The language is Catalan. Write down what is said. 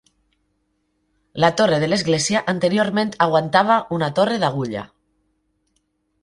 La torre de l'església anteriorment aguantava una torre d'agulla.